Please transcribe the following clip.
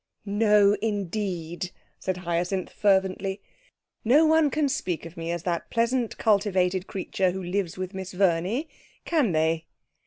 'No, indeed,' said Hyacinth fervently. 'No one can speak of me as "that pleasant, cultivated creature who lives with Miss Verney," can they?'